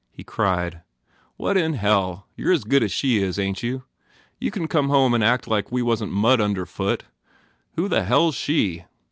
He cried, "What in hell! You re as good as she is, ain t you? You can come home and act like we wasn t mud underfoot! Who the hell s she?"